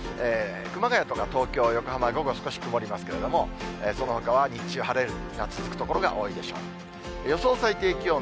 熊谷とか東京、横浜、午後少し曇りますけども、そのほかは日中晴れが続く所が多いでしょう。